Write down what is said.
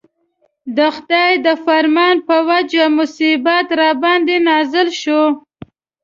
د خدای د فرمان په وجه مصیبت راباندې نازل شو.